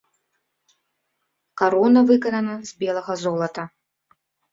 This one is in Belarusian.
Карона выканана з белага золата.